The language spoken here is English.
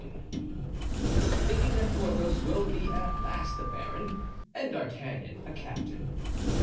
Thinking that Porthos will be at last a Baron, and D'Artagnan a Captain.